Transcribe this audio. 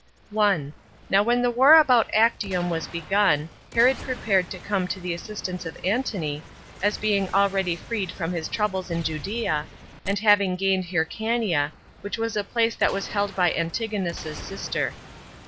1. Now when the war about Actium was begun, Herod prepared to come to the assistance of Antony, as being already freed from his troubles in Judea, and having gained Hyrcania, which was a place that was held by Antigonus's sister.